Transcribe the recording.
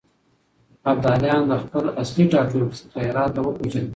ابداليان له خپل اصلي ټاټوبي څخه هرات ته وکوچېدل.